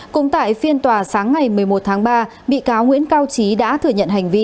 cũng tại phiên tòa sáng ngày một mươi một tháng ba bị cáo nguyễn cao trí đã thừa nhận hành vi